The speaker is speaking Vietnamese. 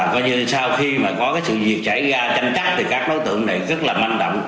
coi như sau khi mà có cái sự việc xảy ra tranh chấp thì các đối tượng này rất là manh động